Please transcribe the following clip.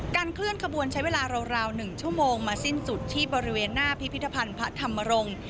เคลื่อนขบวนใช้เวลาราว๑ชั่วโมงมาสิ้นสุดที่บริเวณหน้าพิพิธภัณฑ์พระธรรมรงค์